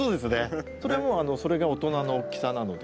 それもうそれで大人の大きさなので。